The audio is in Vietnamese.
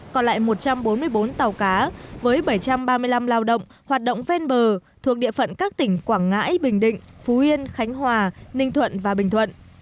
còn lại một trăm bốn mươi bốn tàu cá với bảy trăm ba mươi năm lao động hoạt động ven bờ thuộc địa phận các tỉnh quảng ngãi bình định phú yên khánh hòa ninh thuận và bình thuận